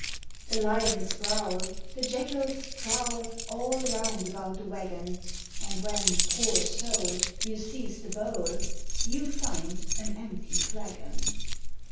The lions growl, the jackals prowl All round about the waggon; And when, poor soul, you seize the bowl, You find an empty flagon.